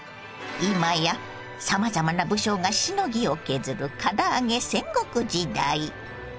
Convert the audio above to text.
今やさまざまな武将がしのぎを削るから揚げ戦国時代。